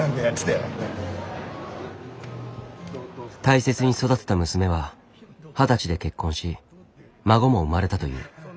大切に育てた娘は二十歳で結婚し孫も生まれたという。